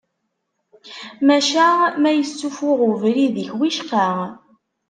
Maca ma yessufuɣ ubrid-ik wicqa.